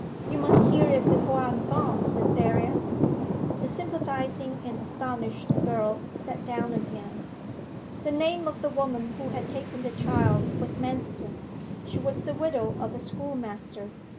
you must hear it before I am gone, Cytherea.' The sympathizing and astonished girl sat down again. 'The name of the woman who had taken the child was Manston. She was the widow of a schoolmaster.